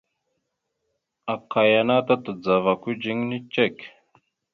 Aka yana ta tadzava kudziŋine cek.